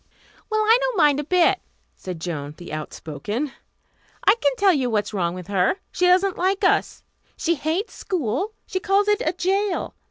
"Well, I don't mind a bit," said Joan the outspoken. "I can tell you what's wrong with her. She doesn't like us. She hates school. She calls it a jail.